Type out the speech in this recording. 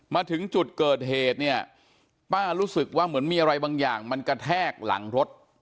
มาถึงจุดเกิดเหตุเนี่ยป้ารู้สึกว่าเหมือนมีอะไรบางอย่างมันกระแทกหลังรถ